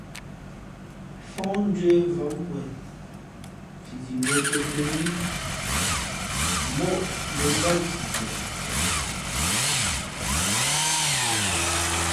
Fōh njə̄ vǎm wen fifi bᾱ tōm těn i móʼ bᾱ ndám sipeʼ tα.